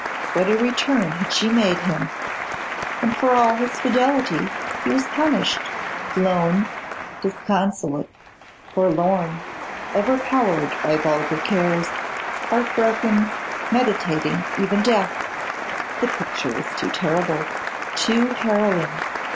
What a return had she made him! And for all his fidelity he was punished; lone, disconsolate, forlorn, overpowered by vulgar cares, heart broken, meditating even death . The picture was too terrible, too harrowing.